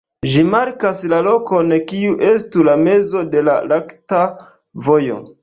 Ĝi markas la lokon kiu estu la mezo de la Lakta Vojo.